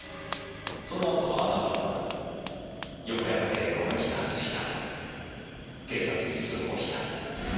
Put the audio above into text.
その後あなたは横山慶子が自殺したと警察に通報した。